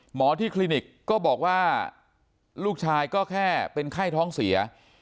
หมอที่คลินิกก็บอกว่าลูกชายก็แค่เป็นไข้ท้องเสีย